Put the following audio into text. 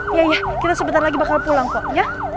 iya iya kita sebentar lagi bakal pulang kok ya